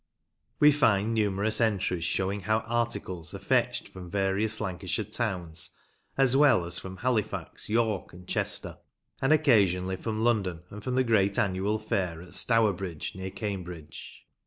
We find numerous entries showing how articles are fetched from various Lancashire towns, as well as from Halifax, York, and Chester, and occasionally from London, and from the great annual fair at Stourbridge, near Cambridge.